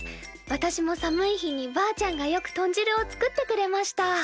私も寒い日にばあちゃんがよく豚汁を作ってくれました。